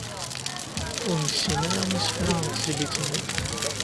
Ur nessin ara isefra n tezlit-nni.